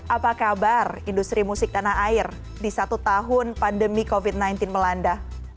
apa kabar industri musik tanah air di satu tahun pandemi covid sembilan belas melanda